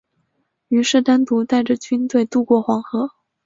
于是单独带着军队渡过黄河。